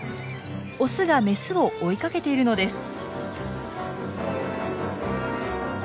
オスがメスを追いかけているのです。